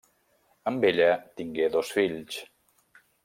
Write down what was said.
Amb ella tingué dos fills: